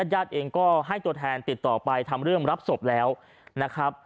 ญาติเองก็ให้ตัวแทนติดต่อไปทำเรื่องรับศพแล้วนะครับ